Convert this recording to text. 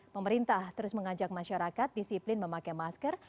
pemerintah terus mengajak masyarakat disiplin memakai masker